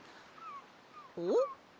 おっ？